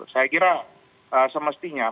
saya kira semestinya